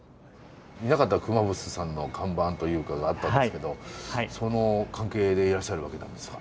南方熊楠さんの看板というかがあったんですけどその関係でいらっしゃるわけなんですか？